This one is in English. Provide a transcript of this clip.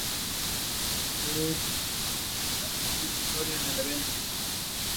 A brief orchestral sinfonia introduces the act.